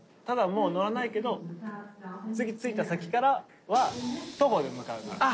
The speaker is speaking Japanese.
ただもう乗らないけど次着いた先からは徒歩で向かうから。